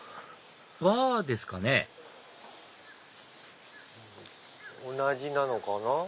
バーですかね同じなのかな？